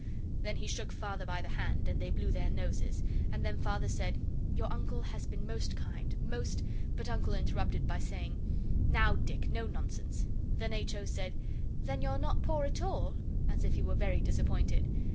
Then he shook Father by the hand, and they blew their noses; and then Father said, 'Your Uncle has been most kind most ' But Uncle interrupted by saying, 'Now, Dick, no nonsense!' Then H. O. said, 'Then you're not poor at all?' as if he were very disappointed.